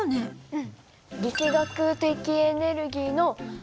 うん。